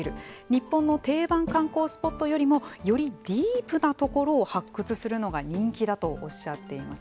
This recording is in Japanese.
日本の定番観光スポットよりもよりディープなところを発掘するのが人気だとおっしゃっています。